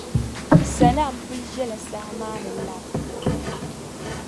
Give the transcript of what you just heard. Salam kuli ʒɛla saa maa ni lara.